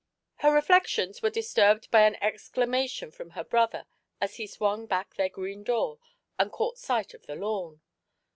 87 Her reflections were disturbed by an exclamation from her brother, as he swung back their green door, and caught sight of the lawn.